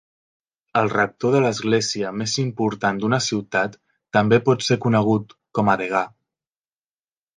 El rector de l'església més important d'una ciutat també pot ser conegut com a degà.